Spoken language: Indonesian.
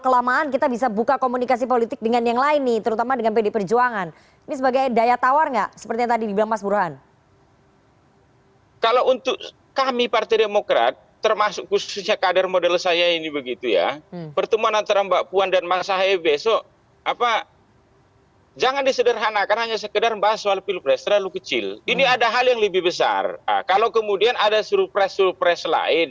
kemudian ada surprise surprise lain